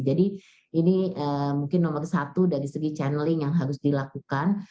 jadi ini mungkin nomor satu dari segi channeling yang harus dilakukan